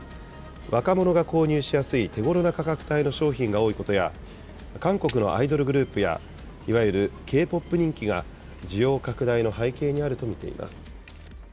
若者が購入しやすい手ごろな価格帯の商品が多いことや、韓国のアイドルグループや、いわゆるＫ−ＰＯＰ人気が、需要拡大の背景にあると見ています。